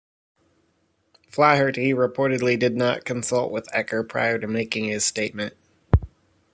Flaherty reportedly did not consult with Ecker prior to making his statement.